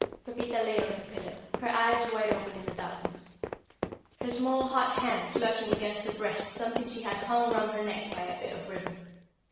Pepita lay on her pillow, her eyes wide open in the darkness, her small hot hand clutching against her breast something she had hung round her neck by a bit of ribbon.